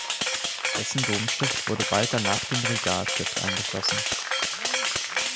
Dessen Domstift wurde bald danach dem Rigaer Stift angeschlossen.